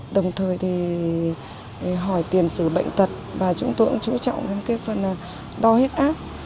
đồng thời hỏi tiền xử bệnh tật và chúng tôi cũng chú trọng phần đo hết ác